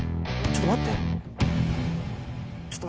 ちょっと待って。